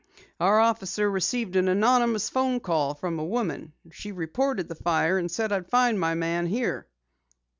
"Our officer received an anonymous telephone call from a woman. She reported the fire and said that I'd find my man here."